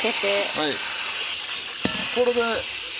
はい。